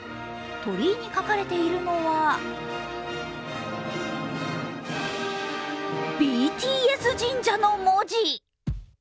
鳥居に書かれているのは「ＢＴＳ神社」の文字。